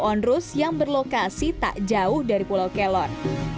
onrus yang berlokasi tak jauh dari pulau kelon